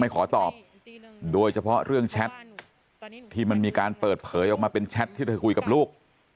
ขอตอบโดยเฉพาะเรื่องแชทที่มันมีการเปิดเผยออกมาเป็นแชทที่เธอคุยกับลูก